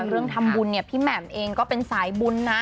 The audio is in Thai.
เรื่องทำบุญเนี่ยพี่แหม่มเองก็เป็นสายบุญนะ